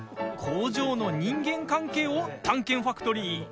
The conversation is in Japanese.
工場の人間関係を探検ファクトリー。